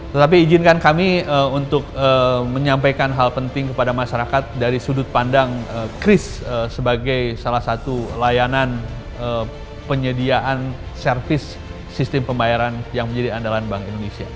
tetapi izinkan kami untuk menyampaikan hal penting kepada masyarakat dari sudut pandang kris sebagai salah satu layanan penyediaan servis sistem pembayaran yang menjadi andalan bank indonesia